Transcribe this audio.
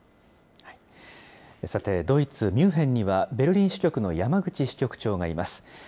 さて、ドイツ・ミュンヘンには、ベルリン支局の山口支局長がいます。